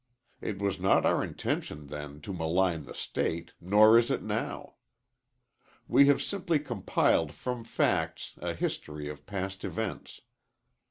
It was not our intention then to malign the State, nor is it now. We have simply compiled from facts a history of past events.